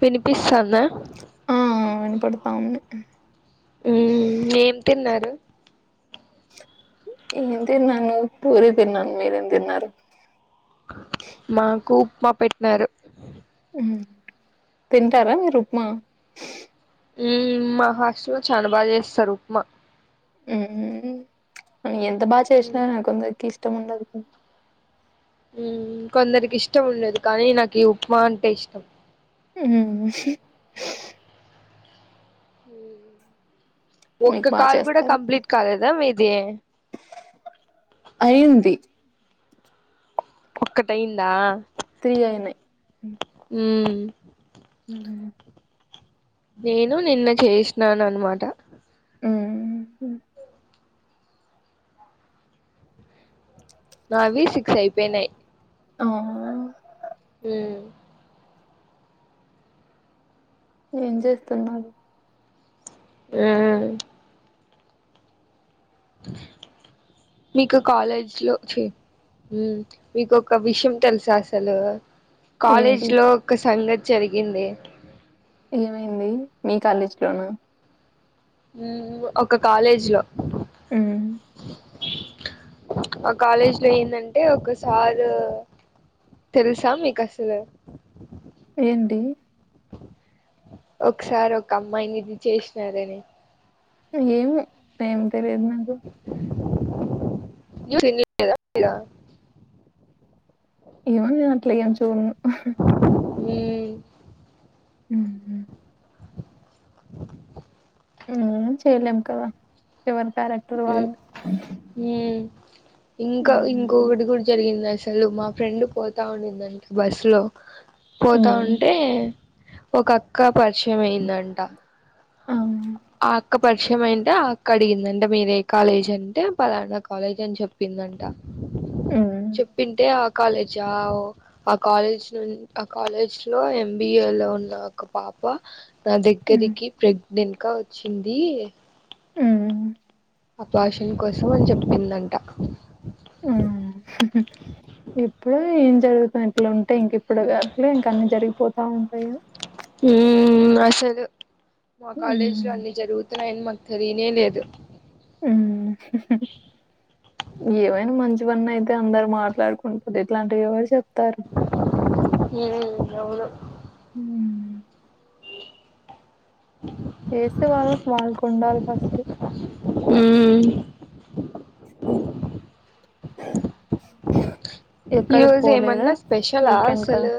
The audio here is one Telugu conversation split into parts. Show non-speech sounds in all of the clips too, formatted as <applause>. వినిపిస్తాన్ ఆ ఇనపడతా ఉంది ఊమ్ ఏం తిన్నారు ఏం తిన్నాను పూరి తిన్నాను మీరేం తిన్నారు మాకు ఉప్మా పెట్నారు తింటారా మీరు ఉప్మా ఊమ్ మా హాస్టల్లో చానా బాగా చేస్తారు ఉప్మా ఊమ్ ఎంత బాగ మ్మ్ చేసిన కొందకి ఇష్టం ఉండదు హ్మ్ కొందరికి ఇష్టం ఉండదు కానీ నాకు ఈ ఉప్మా అంటే ఇష్టం ఉ మీకు ఒక్క బాగా కాల్ కూడా చేస్తారు కంప్లీట్ కాలేదా మీది అయ్యింధి ఒక్కటి అయ్యింద తీ అయినేై ఉమ్ హ నేను నిన్న చేసినాను అనమాట మ్మ్. నావి సిక్స్ అయిపోయినాయి అవునా ఉమ్ ఏం చేస్తున్నారు ఆ మీకు కాలేజ్ లో మీక ఒక విషయం తెలుసా అసలు ఏంటి కాలేజ్ లో ఒక సంగతి జరిగింది ఏమైంది మీ కాలేజీ లోన ఒక కాలేజీ లో ఉమ్ ఆ కాలేజ్ లో ఏందంటే ఒకసారు తెలుసా మీకు అసలు ఏంటి ఒకసారి ఒక అమ్మాయిని ఇది చేసినారని ఏం ఏం తెలియదు నాకు న <unintelligible> ఏమ <unintelligible> ఉమ్ ఉ ఆ చేయలేం కదా ఎవరి క్యారెక్టర్ మ్మ్ వాళ్ళు మ్మ్ ఇంకా ఉమ్ ఇంకొకటి కూడా జరిగింది అసలు మా ఫ్రెండ్ పోతా ఉందంటే బస్ లో పోతా ఉంటే ఒక అక్క పరిచయం అయిందంట ఆ ఆ ఒక్క పరిచయం అంట అడిగిందంట మీర ఏ కాలేజ్ అంటే పలానా కాలేజ్ అని చెప్పిందంట ఉమ్ చెప్పింటే ఆ కాలేజ ఆ కాలేజ్ ను ఆ కాలేజ్ లో ఎంబిఏ లో ఉన్న ఒక పాప తప్ప నా దగ్గరికి ప్రెగ్నెంట్ గా వచ్చింది ఉమ్ అపాషన్ కోసం అని చెప్పిందంట ఉమ్ జరుగుతున్న ఇట్లా ఉంటే ఇంక ఇప్పుడు అట్లే ఇంక అన్ని జరిగిపోతా ఉంటాయి హ అసలు మా కాలేజీ లో ఉమ్ అన్ని జరుగుతున్నాయని మా తెరనే లేదు ఏమైనా మంచి వన్న అయితే అందరు మాట్లాడుకుంటంది ఇట్లాంటివి ఎవరు చెప్తారు ఏం ఎవరు ఉమ్ చేసే వాళ్ళకి వాళ్ళకు ఉండాలి ఫస్ట్ ఉమ్ ఈ ఎక్కడికి రోజు పోలేదా ఏమన్నా స్పెషలా వీకెండ్ క అసలు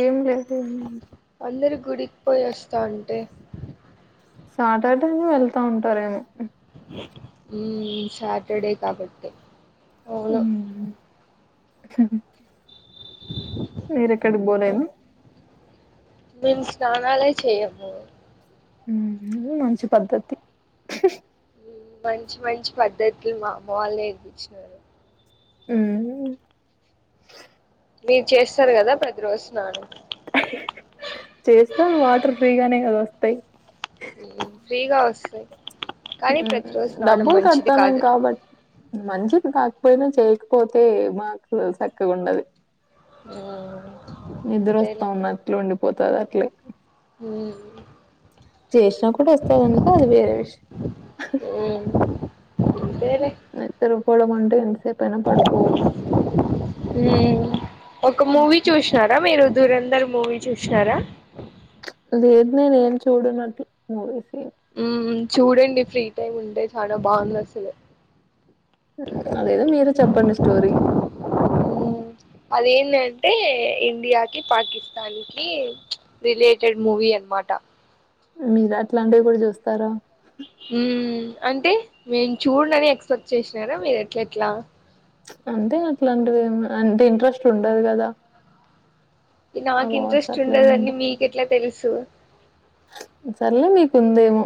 ఏం లేతే అందరు గుడికి పోయి వస్తాంటే సాటర్డేనే వెళ్తా ఉంటారేమో మ్మ్ సాటర్డే కాబట్టే మ్మ్ మీరెక్కడిక్ బోలేదు మేం స్నానాలే చెయము మ్ మంచి పద్ధతి మంచి మంచి పద్ధతులు మా అమ్మ వాళ్ళు నేర్పించినారు మ్మ్మ్ మీర్ చేస్తారు కదా ప్రతి రోజు స్నానం చేస్తాను వాటర్ ఫ్రీగానే కదా వస్తాయి ఫ్రీగా వస్తాయ్ మ్ డబ్బులు కడతనం కాదు కాబట్టి మంచిది కాద్ పోయిన చేయకపోతే మాకు సక్కగ ఉండది మ్ అంతేలే పోతదట్లే మ్ చేసినా కూడా వస్తది అనుకో అది వేరే విషయం ఉమ్, అంతేలే పొలమంటు ఎంత సేపు పైనా పడుకోను ఉమ్, ఒక మూవీ హుహు. చూసినార మీరు ధురంధర్ మూవీ చూసినార లేదు నేనే ఏం చూడనట్లు మూవీసే మ్ చూడండి ఫ్రీ టైమ్ ఉంటే చాలా బాంది అసలు అదేదో మీరే చెప్పండి స్టోరీ టే ఇండియాకిి పాకిస్తాన్ కి రిలేటెడ్ మూవీ అనమాట మీరు అట్లాంటివి కూడా చూస్తారా మ్మ్ అంటే నేను చూడడిని ఎక్స్పెక్ట్ చేసినారా మీరు ఎట్ల ఎట్ల అంటే అట్లాంటిదేమి అంటే ఇంట్రెస్ట్ ఉండదు కదా నాకు అవార్డ్స్ ఇంట్రెస్ట్ అట్లా ఏమి ఉండదని ఉండవు మీకు ఎట్లా తెలుసు సర్లే మీకుందేమో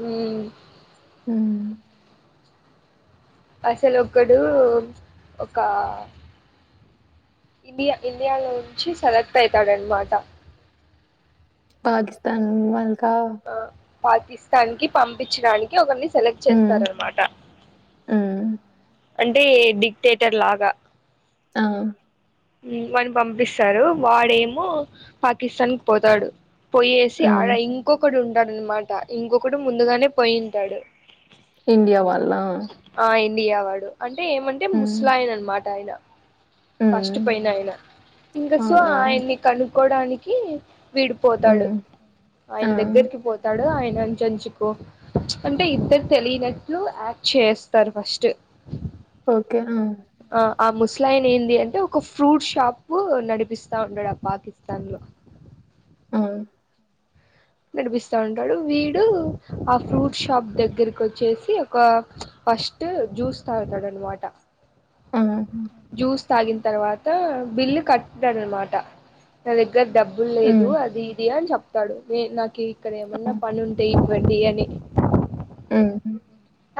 మ్మ్ మ్మ్ అసలొక్కడు ఒక ఇండియా ఇండియాలోంచి సెలెక్ట్ అయితాడన్మాట పాకిస్తాన్ వాళ్ కా పాకిస్తాన్ కి పంపించడానికి ఒకరిని సెలెక్ట్ చేస్తారన్నమాట మ్మ్ అంటే డిక్టేటర్ లాగా ఆ మ్ వాని పంపిస్తారు వాడేమో పాకిస్తాన్ కి పోతాడు పోయేసి ఆడ ఉమ్ ఇంకొకడు ఉంటాడన్నమాట ఇంకొకడు ముందుగానే పోయింటాడు ఇండియా వాళ్లా ఆ ఇండియా వాడు అంటే ఏమంటే ముస్లాయన అన్మాట ఆయన ఫస్ట్ ఉమ్ పోయినయన ఇంకా ఆ సో ఆ ఆయన్ని కనుక్కోడానికి విడు పోతాడు ఉమ్ ఆయన ఆ దగ్గరికి పోతాడు ఆయన్ అంచంచుకో అంటే ఇద్దర్ తెలియనట్లు యాక్ట్ చేస్తారు ఫస్ట్ ఓకే ఆ ఆ ఆ ముస్ల ఆయన ఏంది అంటే ఒక ఫ్రూట్ షాప్ నడిపిస్తా ఉంటాడు ఆ పాకిస్తాన్ లో <unintelligible> ఆ నడిపిస్తా ఉంటాడు వీడు ఆ ఫ్రూట్ షాప్ దగ్గరికోచ్చేసి ఒక ఫస్ట్ జూస్ తాగుతాడన్నమాట ఉం జ్యూస్ తాగిన్ తర్వాత బిల్లు కట్టాడ్ అన్నమాట నా దగ్ గ్గర డబ్బుల్ లేదు ఉమ్ అది ఇది అని చెప్తాడు వే నాకు ఇక్కడ ఆ ఏమన్నా పనుంటే ఇవ్ వండి అని ఆ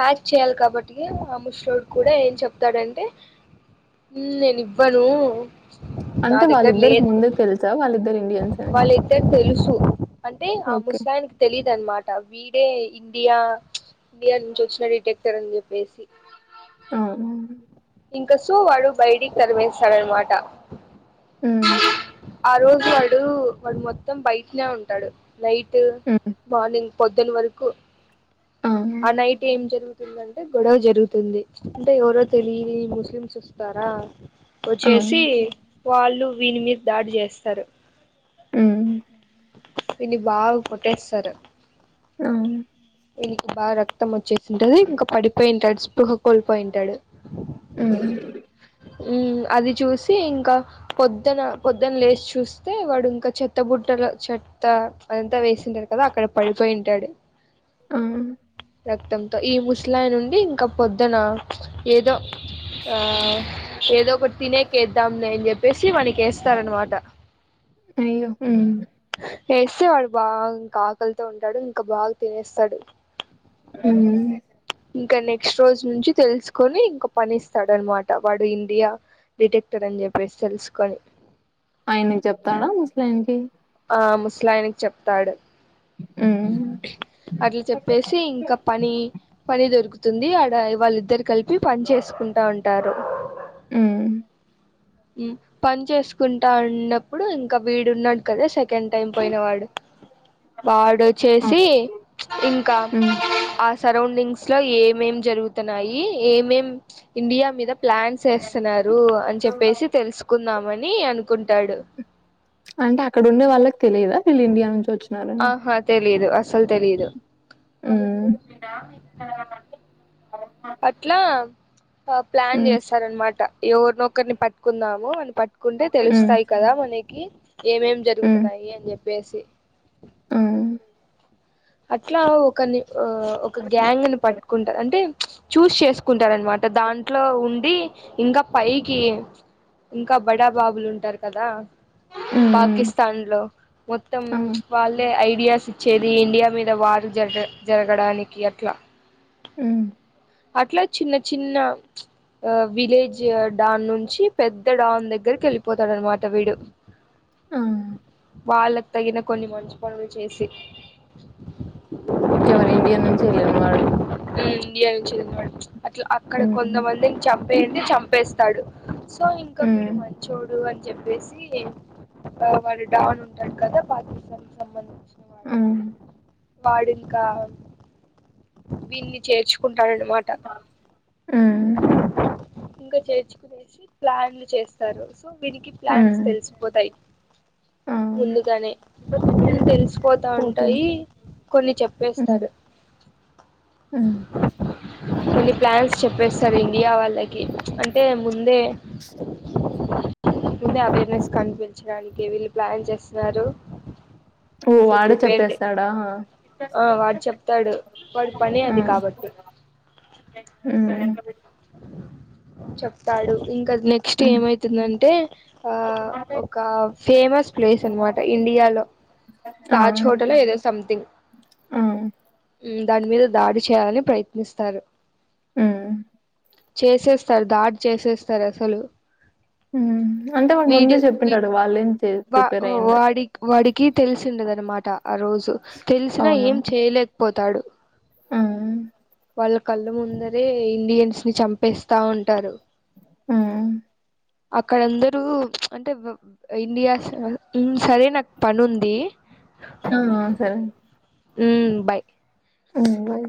యాక్ట్ చేయ్యాల్ కాబట్టి ఆ ముస్లోడు కూడా ఏం చెప్తాడంటే నేనివ్వను నా అంటే దగ్గర వాళ్ళిద్దరికి లేద్ ముందే తెలుసా వాళ్ళిద్దరు ఇండియన్స్ అని వాళ్ళిద్దర్ తెలుసు అంటే ఆ ఓకే ముస్లాయనకి తెలీదు అన్నమాట వీ అంటే ఇండియా ఇండియా నుంచోచ్చిన డిటెక్టర్ అని చెప్పేసి ఆ ఆ ఇంక సో వాడు బయటిక్ తరిమేసాడనమాట ఉ ఆ రోజు వాడు వాడు మొత్తం బయట్నే ఉంటాడు నైట్ మార్నింగ్ పొద్దున్ వరకు ఆ నైట్ ఏం జరుగుత్ తుందంటే గొడవ జరుగుతుంది అంటే ఎవరో తెలియని ముస్లిమ్స్ వస్తారా ఆ వోచ్చేసి వాళ్ళు వీని మీద్ దాడి చేస్తారు ఉ వీన్ని బాగా కొట్టేస్తారు ఆ ఇనికి బాగా రక్తం వచ్చేసింటది ఇంకా పడిపోయింటాడు స్పృహ కోల్పోయింటాడు ఉ ఉ అది చూసి ఇంకా పొద్దన పొద్దన్ లేస్ చూస్తే వాడు ఇంకా చెత్తబుడ్ ట్టల చెత్త అదంతా వేసింటారు కదా అక్కడ పడిపోయింటాడు ఆ రక్తంతో ఈ ముసలాయనుండి ఇంకా పొద్దున ఏదో ఆ ఏదో ఒకటి తినేకేద్దాంలే అని చెప్పేసి వానికి వేస్తారన్నమాట అయ్యో ఉ వేస్తే వాడ్ బాగ్ ఇంకా ఆకలితో ఉంటాడు ఇంకా బాగా తినేస్తాడు ఉ ఇంకా నెక్స్ట్ రోజు నుంచి తెలుసుకొని ఇంకో పని ఇస్తాడ అనమాట వాడు ఇండియా డిటెక్టర్ అని చెప్పేసి తెలుసుకొని ఆయనకి చెప్తాడా ముస్లన్కి ఆ ముసలాయికి చెప్తాడు ఉమ్ అట్లా చెప్పేసి ఇంకా పని పని దొరుకుతుంది తుంది అడ వాళ్ళిద్దరు కలిపి పని చేసుకుంటా ఉంటారు ఆ పని చేసుకుంటా అన్నప్పుడు ఇంకా వీడున్నాడు కదా సె ఎన్ టైం పోయినవాడు వాడు ఆ వచ్చేసి ఇంకా ఉమ్ సరౌండింగ్స్ లో ఏమేం జరుగుతున్నాయి ఏమేం ఇండియా మీద ప్లాన్స్ చేస్తున్నారు అని చెప్పేసి తెలుసుకుందామని అనుకుంటాడు అంటే అక్కడ ఉండే వాళ్ళకి తెలియదా వీళ్ళు ఇండియా నుంచి వచ్చినారని ఆహా తెలీదు అసలు తెలీదు ఉమ్ అట్లా ప్లాన్ చేస్తారనమాట ఎవరినొకరిని పట్టుకుందాము అని పట్టుకుంటే ఉమ్ తెలుస్తాయి కదా మనకి ఏమేం ఉమ్ జరుగుతున్నాయి అని చెప్పేసి ఉమ్ ఆ అట్లా ఒకని ఒక గ్యాంగ్ ని పట్టుకుంటారు అంటే చూస్ చేసుకుంట అంటారునమాట దాంట్లో ఉండి ఇంకా పైకి ఇంకా బడా బాబులు ఉంటారు కదా ఉమ్ ఉమ్ పాకిస్తాన్ లో మొత్తం ఆ వాళ్ళే ఐడియాస్ ఇచ్చేది ఇండియా మీద వారు జ జరగడానికి అట్లా మ్ అట్లా చిన్న చిన్న ఆ విలేజ్ డాన్ నుంచి పెద్ద డాన్ దగ్గరికి వెళ్ళిపోతాడ అనమాట వీడు ఆ వాళ్ళకు తగిన కొన్ని మంచి పనులు చేసి ఎవరు ఇండియా నుంచి వెళ్ళిన వాడు ఇండియా నుంచి వె అట్లా అక్కడ ఉమ్ కొంతమంది చంపేయంటె చంపేస్తాడు సో ఇంకా ఉమ్ వీడు మంచోడు అని చెప్పేసి సి ఆ వాడు డాన్ ఉంటాడు కదా పాకిస్తాన్ కి సంబంధించి ఉమ్ వాడు ఇంకా దీన్ని చేర్చు కుంటాడన మాట ఉమ్ ఇంకా చేర్చుకునేసి ప్లాన్లు చేస్తారు సో వీనికి ప్లాన్స్ ఉమ్ తెలిసిపోతాయి ఆ ముందుగానే తెలిసుపోతా ఉం ఫోర్టీన్ టాయి కొన్ని ఉమ్ చెప్పేస్తారు ఉమ్ కొన్ని ప్లాన్స్ చెప్పేస్తారు ఇండియా వాళ్ళకి అంటే ముందే ముందే అవేర్నెస్ కనిపచడానికి వీళ్ళు ప్లాన్ చేస్తున్నారు ఓ సో వాడే ప్రిపేర్డ్ చెప్పేస్తాడా ఆ వాడు చెప్తాడు వాడి పని అది ఉమ్ కాబట్టి చెప్తాడు ఇంకా నెక్స్ట్ ఉమ్ ఏమైతుందంటే ఆ ఒక ఫేమస్ ప్లేస్ అనమాట ఇం డియాలో ఆ తాజ్ హోటల్ ఏదో సంథింగ్ ఆ ఉమ్ దాని మీద దాడి చేయాలని ప్రయత్నిస్తారు ఉమ్ చేసేస్తారు దాడి చేసేస్తారు అసలు ఉమ్ అంటే వాడు వీడు ముందే వి చెప్పింటాడు వాళ్ళేం చే వా ప్రిపేర్ అయ్యిండ వాడి వాడి కి తెలిసిండదనమాట ఆ రోజు తెలిసినా అవును ఏం చేయలేకపోతాడు ఉమ్ వాళ్ళ కళ్ళ ముందరే ఇండియన్స్ ని చంపేస్తా ఉంటారు మ్ అక్కడందరూ అంటే ఇండియా స ఉమ్ సరే నాకు పని ఉంది ఆ ఆ సరే ఉమ్ బాయ్ మ్ బాయ్